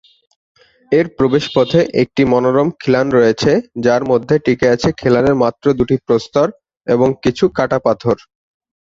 এর প্রবেশপথে একটি মনোরম খিলান রয়েছে যার মধ্যে টিকে আছে খিলানের মাত্র দুটি প্রস্তর এবং কিছু কাটা পাথর।